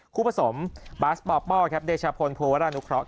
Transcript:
คู่ผสมบาสปอปป้อเดชาพลพูลวารานุเคราะห์